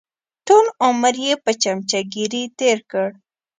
ټول عمر یې په چمچهګیري تېر کړ.